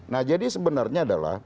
nah jadi sebenarnya adalah